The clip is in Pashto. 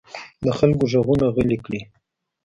د خلکو غږونه غلي کړي.